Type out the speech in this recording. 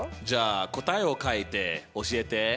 じゃあ答えを書いて教えて。